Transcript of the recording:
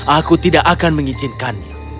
aku tidak akan mengizinkannya